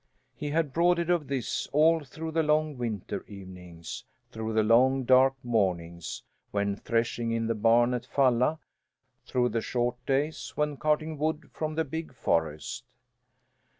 He had brooded over this all through the long winter evenings; through the long dark mornings, when threshing in the barn at Falla; through the short days, when carting wood from the big forest.